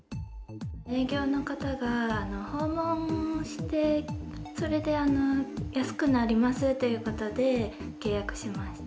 営業の方が、訪問して、それで安くなりますということで、契約しました。